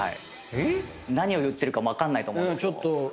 何を言ってるか分かんないと思うんですけど。